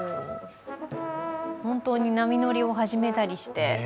本当に波乗りを始めたりして。